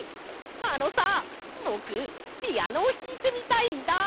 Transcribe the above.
あのさぼくピアノをひいてみたいんだ。